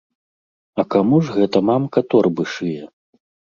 А каму ж гэта мамка торбы шые?